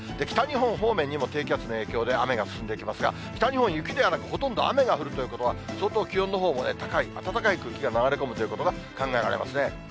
北日本方面にも、低気圧の影響で雨が進んできますが、北日本、雪ではなくほとんど雨が降るということは、相当気温のほうもね、高い、暖かい空気が流れ込むということが考えられますね。